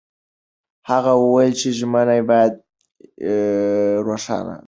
هغه وویل چې ژمنې باید روښانه وي.